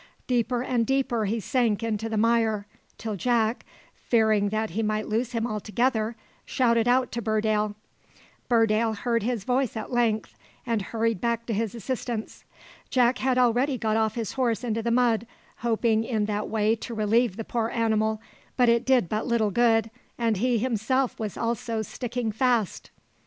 Deeper and deeper he sank into the mire, till Jack, fearing that he might lose him altogether, shouted out to Burdale. Burdale heard his voice at length, and hurried back to his assistance. Jack had already got off his horse into the mud, hoping in that way to relieve the poor animal, but it did but little good, and he himself was also sticking fast!